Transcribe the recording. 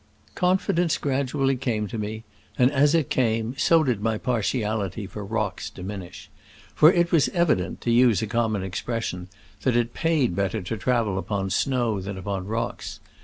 Confidence gradu ally came to me, and as it came so did my partiality for rocks diminish. For it was evident, to use a common expres sion, that it paid better to travel upon snow than upon rocks.